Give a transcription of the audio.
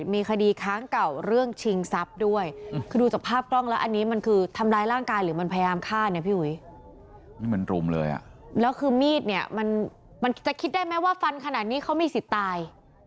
มันจะคิดได้ไหมว่าฟันขนาดนี้เขามีสิทธิ์ตาย